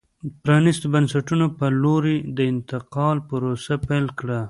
پرانیستو بنسټونو په لور یې د انتقال پروسه پیل کړه.